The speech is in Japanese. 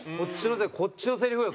こっちのセリフよ